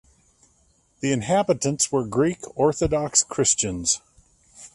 The inhabitants were Greek Orthodox Christians.